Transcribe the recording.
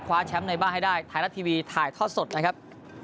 แชมป์ในบ้านให้ได้ไทยรัฐทีวีถ่ายทอดสดนะครับ